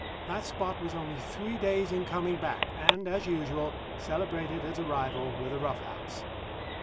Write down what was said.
That Spot was only three days in coming back, and, as usual, celebrated his arrival with a rough house.